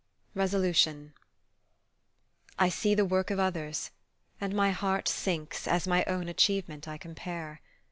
RESOLUTION I SEE the work of others, and my heart Sinks as my own achievement I compare.